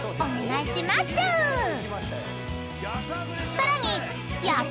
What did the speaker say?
［さらに］